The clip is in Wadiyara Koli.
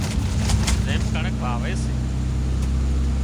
زم ڪڻڪ واوي سي